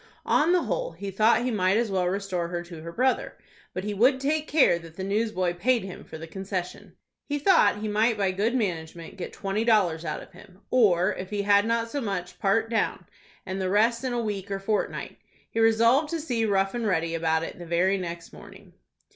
On the whole, he thought he might as well restore her to her brother; but he would take care that the newsboy paid for the concession. He thought he might by good management get twenty dollars out of him, or, if he had not so much, part down, and the rest in a week or fortnight. He resolved to see Rough and Ready about it the very next morning.